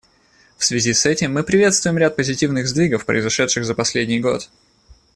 В связи с этим мы приветствуем ряд позитивных сдвигов, произошедших за последний год.